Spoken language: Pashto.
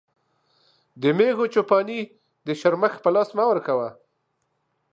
د مېږو چو پاني د شرمښ په لاس مه ورکوه.